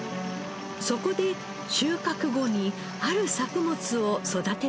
そこで収穫後にある作物を育てる事にしたのです。